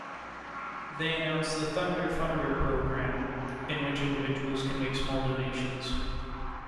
They announced the Thunder Funder program, in which individuals can make small donations.